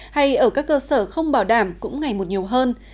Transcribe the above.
hay ở các cơ sở không bảo đảm cũng ngày một nhiều hơn